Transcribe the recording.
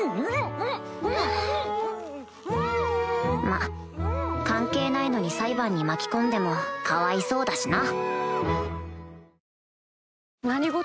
まっ関係ないのに裁判に巻き込んでもかわいそうだしな